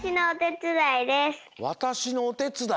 わたしのおてつだい？